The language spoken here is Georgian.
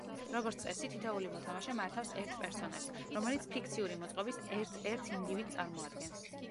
როგორც წესი, თითოეული მოთამაშე მართავს ერთ პერსონაჟს, რომელიც ფიქციური მოწყობის ერთ-ერთ ინდივიდს წარმოადგენს.